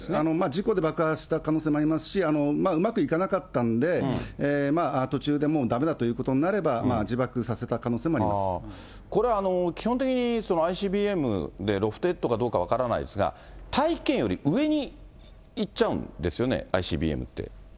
事故で爆発した可能性もありますし、うまくいかなかったんで、途中でもうだめだということになれば、これは基本的にＩＣＢＭでロフテッドかどうか分からないですが、大気圏より上に行っちゃうんですよね、ＩＣＢＭって。